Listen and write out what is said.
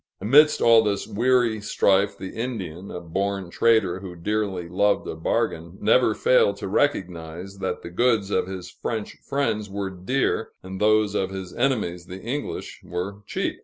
Amidst all this weary strife, the Indian, a born trader who dearly loved a bargain, never failed to recognize that the goods of his French friends were dear, and that those of his enemies, the English, were cheap.